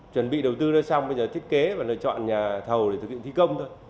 chuẩn bị đầu tư đó xong bây giờ thiết kế và lựa chọn nhà thầu để thực hiện thi công thôi